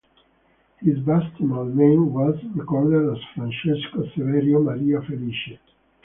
His baptismal name was recorded as Francesco Saverio Maria Felice.